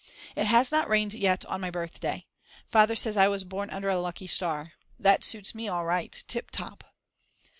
It has not rained yet on my birthday. Father says I was born under a lucky star. That suits me all right, tip top.